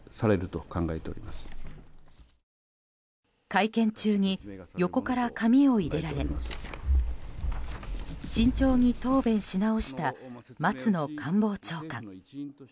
会見中に横から紙を入れられ慎重に答弁しなおした松野官房長官。